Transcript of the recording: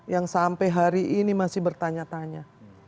yang sampai hari ini masih bertanya tanya